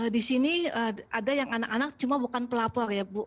disini ada yang anak anak cuma bukan pelapor ya ibu